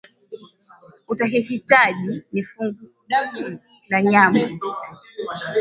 utahihitaji ni fungu moja la nyanya